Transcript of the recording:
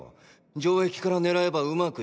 城壁から狙えばうまくいく。